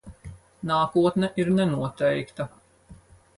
Nākotne ir nenoteikta.